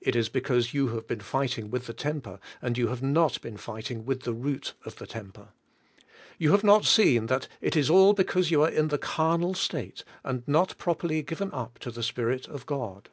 It is because you have been fighting with the temper, and you have not been fighting with the root of the temper. You have not seen that it is all because you are in the carnal state, and not properly given up to the Spirit of God.